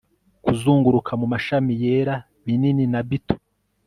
Kuzunguruka mu mashami yera binini na bito